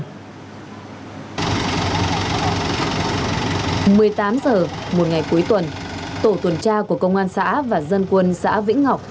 một mươi tám h một ngày cuối tuần tổ tuần tra của công an xã và dân quân xã vĩnh ngọc